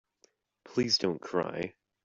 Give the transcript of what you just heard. Please don't cry.